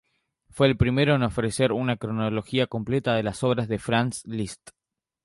Fue el primero en ofrecer una cronología completa de las obras de Franz Liszt.